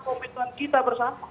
pemikiran kita bersama